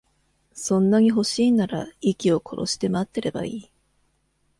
そんなに欲しいんなら、息を殺して待ってればいい。